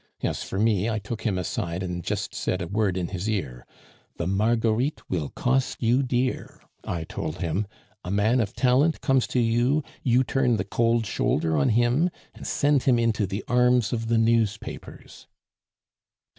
As for me, I took him aside and just said a word in his ear. 'The Marguerites will cost you dear,' I told him. 'A man of talent comes to you, you turn the cold shoulder on him, and send him into the arms of the newspapers.